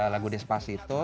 lagu di espasi itu